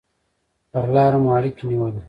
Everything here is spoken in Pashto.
پر لاره مو اړیکې نیولې.